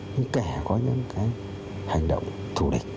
những kẻ có những hành động thù địch